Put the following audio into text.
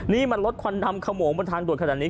นี่มันลดควันดำขโมงบนทางด่วนขนาดนี้